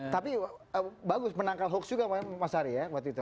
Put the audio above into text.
tapi bagus menangkal hoax juga mas ari ya waktu itu